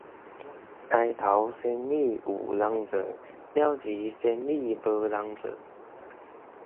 刣頭生意有人做，了錢生意無人做